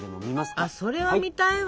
あそれは見たいわ！